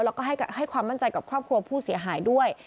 แล้วก็ให้ความมั่นใจกับครอบครัวผู้เสียหายด้วย